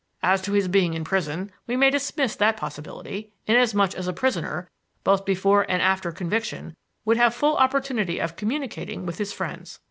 As to his being in prison, we may dismiss that possibility, inasmuch as a prisoner, both before and after conviction, would have full opportunity of communicating with his friends.